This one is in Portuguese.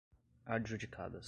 adjudicadas